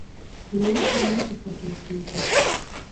په یو ګل نه پسرلی کېږي